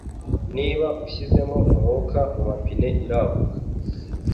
Niba ushyizemo umwuka mumapine iraguka.